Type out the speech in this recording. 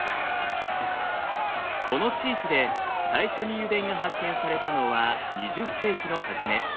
この地域で最初に油田が発見されたのは２０世紀の初め。